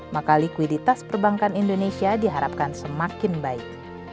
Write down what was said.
maka likuiditas perbankan indonesia diharapkan semakin baik